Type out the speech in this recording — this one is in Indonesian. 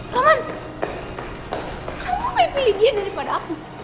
roman kamu mau pilih dia daripada aku